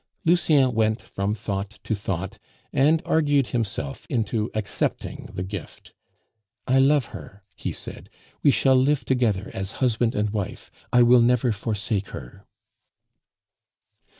Lucien went from thought to thought, and argued himself into accepting the gift. "I love her," he said; "we shall live together as husband and wife; I will never forsake her!"